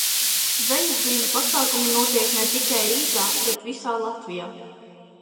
Dzejas dienu pasākumi notiek ne tikai Rīgā, bet visā Latvijā.